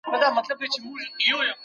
ولي ځيني هیوادونه وروستۍ پریکړه نه مني؟